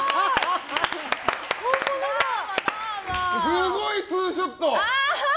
すごいツーショット！